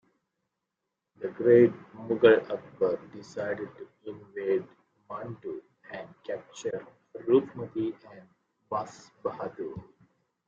The great Mughal Akbar decided to invade Mandu and capture Roopmati and Baz Bahadur.